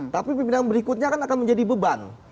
tapi pimpinan berikutnya akan menjadi beban